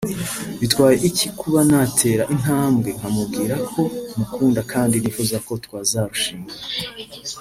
Bitwaye iki kuba natera intambwe nkamubwira ko mukunda kandi nifuza ko twazarushinga